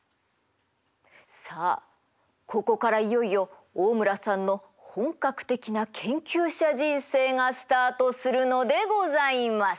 さあここからいよいよ大村さんの本格的な研究者人生がスタートするのでございます。